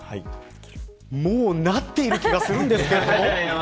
もうなっている気がするんですけど。